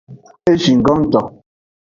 E jingo ngto.